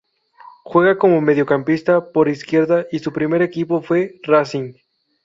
Juega como mediocampista por izquierda y su primer equipo fue Racing.